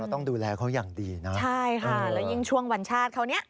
ต้องดูแลเขาอย่างดีนะใช่ค่ะแล้วยิ่งช่วงวันชาติเขาเนี่ย